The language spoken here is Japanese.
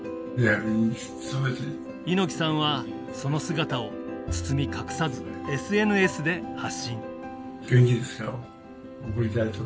猪木さんは、その姿を包み隠さずＳＮＳで発信。